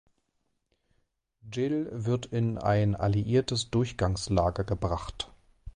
Gilles wird in ein alliiertes Durchgangslager gebracht.